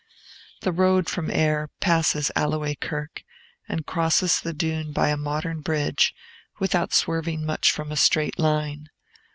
The road from Ayr passes Alloway Kirk, and crosses the Doon by a modern bridge, without swerving much from a straight line.